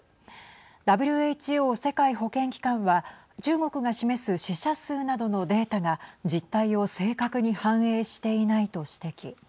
ＷＨＯ＝世界保健機関は中国が示す死者数などのデータが実態を正確に反映していないと指摘。